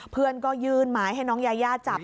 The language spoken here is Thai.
เพื่อนก็ยื่นไม้ให้น้องยายาจับ